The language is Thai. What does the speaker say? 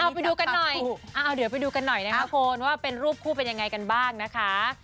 เอาไปดูกันหน่อยเดี๋ยวไปดูกันหน่อยนะคะคุณว่าเป็นรูปคู่เป็นยังไงกันบ้างนะคะ